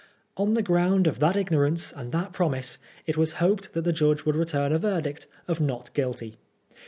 On the ground of that ignorance and that promise, it was hoped that the jury would return a verdict of Not Guilty.